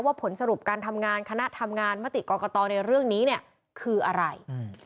ผลสรุปการทำงานคณะทำงานมติกรกตในเรื่องนี้เนี่ยคืออะไร